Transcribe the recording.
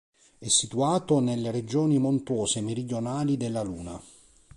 È situato nelle regioni montuose meridionali della Luna.